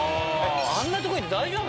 あんなとこいて大丈夫？